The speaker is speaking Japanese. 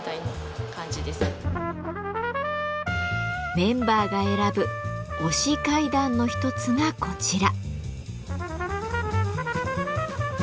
メンバーが選ぶオシ階段の一つがこちら。